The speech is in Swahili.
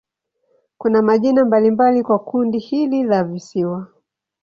Kuna majina mbalimbali kwa kundi hili la visiwa.